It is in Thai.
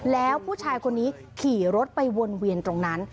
แล้วผู้ชายคนนี้ขี่รถไปวนเวียนตรงนั้น